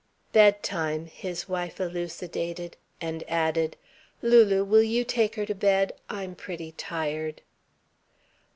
"Bedtime," his wife elucidated, and added: "Lulu, will you take her to bed? I'm pretty tired."